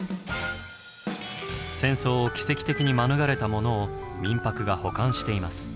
戦争を奇跡的に免れたものを「みんぱく」が保管しています。